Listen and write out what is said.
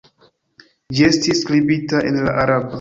Ĝi estis skribita en la araba.